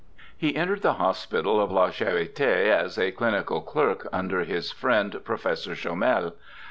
' He entered the hospital of La Charite as a clinical clerk, under his friend, Professor Chomel.